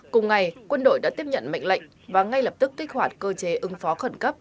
cùng ngày quân đội đã tiếp nhận mệnh lệnh và ngay lập tức kích hoạt cơ chế ứng phó khẩn cấp